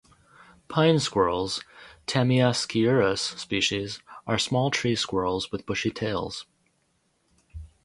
Pine squirrels, "Tamiasciurus" species, are small tree squirrels with bushy tails.